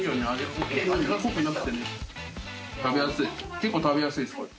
結構食べやすいですこれ。